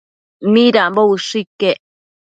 Midambo ushë iquec